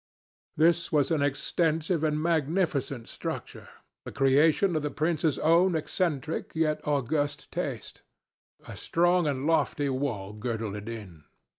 This was an extensive and magnificent structure, the creation of the prince's own eccentric yet august taste. A strong and lofty wall girdled it in.